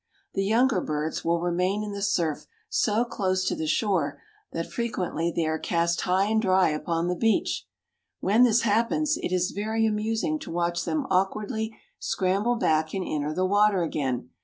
The younger birds will remain in the surf so close to the shore that frequently they are cast high and dry upon the beach. When this happens it is very amusing to watch them awkwardly scramble back and enter the water again.